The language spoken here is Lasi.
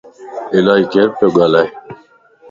الائي ڪير پيو ڳالائي